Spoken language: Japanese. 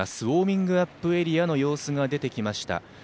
ウォーミングアップエリアの様子が出てきました。